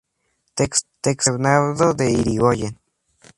Texto: Bernardo de Irigoyen.